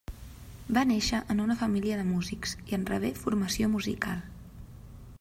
Va néixer en una família de músics i en rebé formació musical.